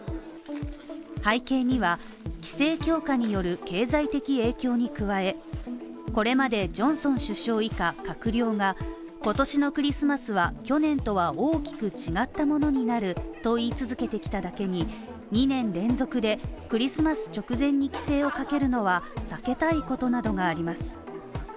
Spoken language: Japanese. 背景には、規制強化による経済的影響に加え、これまでジョンソン首相以下閣僚が、今年のクリスマスは、去年とは大きく違ったものになると言い続けてきただけに、２年連続でクリスマス直前に規制をかけるのは避けたいことなどがあります。